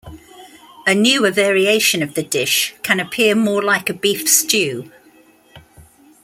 A newer variation of the dish can appear more like a beef stew.